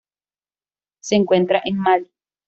Se encuentra en Malí.